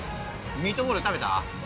ミートボール食べた？